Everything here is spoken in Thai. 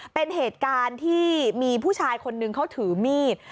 เป็นเหตุการณ์ที่มีผู้ชายคนนึงเขาถือมีด